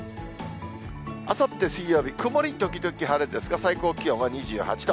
あさって水曜日、曇り時々晴れですが、最高気温は２８度。